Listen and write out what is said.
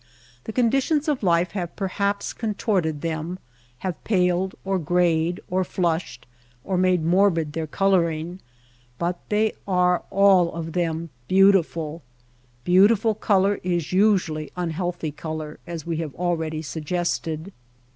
The conditions of life have perhaps contorted t hem, have paled or grayed or flushed or made morbid their coloring ; but they are all of them beautiful. Beautiful color is usually unhealthy color as we have already suggested.